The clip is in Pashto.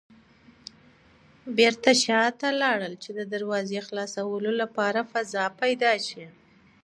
بېرته شاته لاړل چې د دراوزو خلاصولو لپاره فضا پيدا شي.